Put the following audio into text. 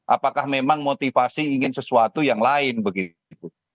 apakah memang motivasi ingin sesuatu yang lain begitu